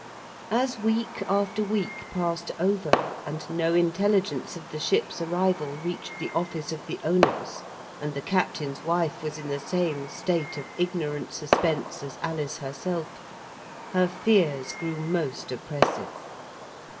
As week after week passed over, and no intelligence of the ship's arrival reached the office of the owners, and the Captain's wife was in the same state of ignorant suspense as Alice herself, her fears grew most oppressive.